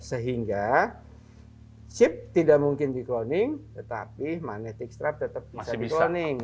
sehingga chip tidak mungkin dikloning tetapi magnetic strip tetap bisa dikloning